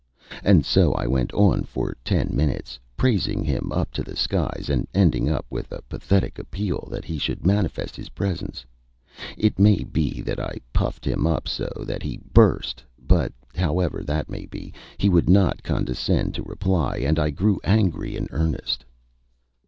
And so I went on for ten minutes, praising him up to the skies, and ending up with a pathetic appeal that he should manifest his presence. It may be that I puffed him up so that he burst, but, however that may be, he would not condescend to reply, and I grew angry in earnest.